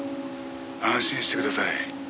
「安心してください」